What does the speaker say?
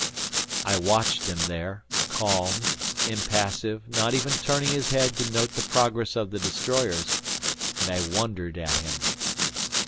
I watched him there, calm, impassive not even turning his head to note the progress of the destroyers and I wondered at him.